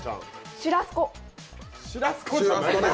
シュラスコ？